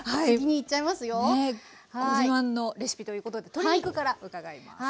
ねっご自慢のレシピということで鶏肉から伺います。